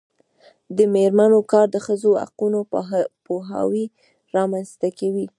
د میرمنو کار د ښځو حقونو پوهاوی رامنځته کوي.